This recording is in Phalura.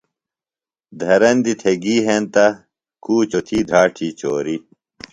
دھرندیۡ تھےۡ گی ہنتہ، کُوچوۡ تھی دھراڇی چوریۡ